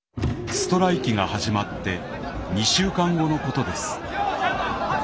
ストライキが始まって２週間後のことです。